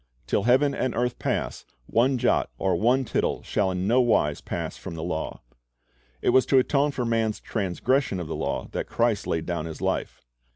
Till heaven and earth pass, one jot or one tittle shall in no wise pass from the law."' It was to atone for man's transgression of the law that Christ laid down His life.